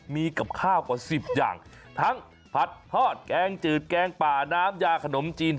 มีกับข้าวกว่า๑๐อย่างทั้งผัดทอดแกงจืดแกงป่าน้ำยาขนมจีน